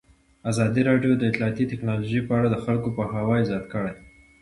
ازادي راډیو د اطلاعاتی تکنالوژي په اړه د خلکو پوهاوی زیات کړی.